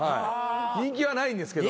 人気はないんですけど。